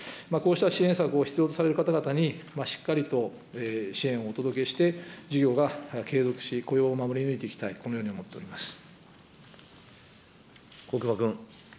こうした支援策を必要とされる方々に、しっかりと支援をお届けして、事業が継続して、雇用を守り抜いていきたい、このように思っ國場君。